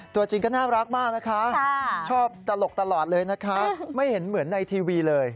ตัวจริงก็น่ารักมากนะคะชอบตลกตลอดเลยนะคะไม่เห็นเหมือนในทีวีเลย